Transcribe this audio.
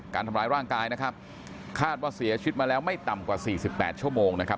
การทำร้ายร่างกายนะครับคาดว่าเสียชีวิตมาแล้วไม่ต่ำกว่าสี่สิบแปดชั่วโมงนะครับ